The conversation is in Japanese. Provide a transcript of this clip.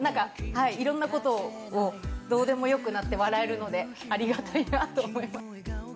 いろんなことをどうでもよくなって笑えるので、ありがたいなと思います。